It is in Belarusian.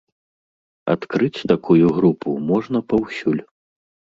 Адкрыць такую групу можна паўсюль.